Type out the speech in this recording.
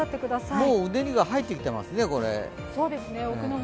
もう、うねりが入ってきていますね、これ。